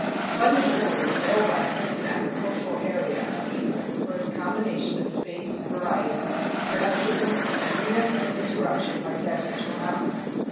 Fundamentally the Middle West is an agricultural area unequaled for its combination of space, variety, productiveness, and freedom from interruption by deserts or mountains.